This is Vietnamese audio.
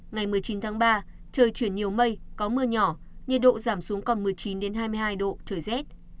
ngày một mươi chín tháng ba trời chuyển nhiều mây có mưa nhỏ nhiệt độ giảm xuống còn một mươi chín hai mươi hai độ trời rét